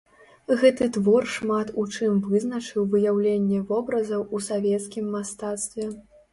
Гэты твор шмат у чым вызначыў выяўленне вобразаў ў савецкім мастацтве.